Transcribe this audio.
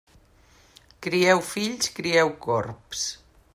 Crieu fills, crieu corbs.